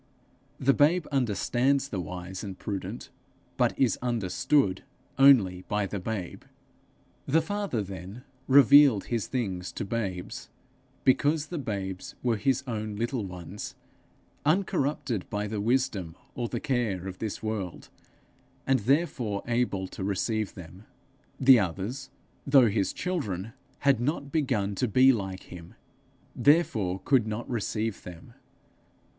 The babe understands the wise and prudent, but is understood only by the babe. The Father, then, revealed his things to babes, because the babes were his own little ones, uncorrupted by the wisdom or the care of this world, and therefore able to receive them. The others, though his children, had not begun to be like him, therefore could not receive them.